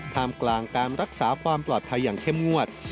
มกลางการรักษาความปลอดภัยอย่างเข้มงวด